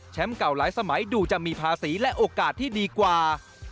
เก่าหลายสมัยดูจะมีภาษีและโอกาสที่ดีกว่า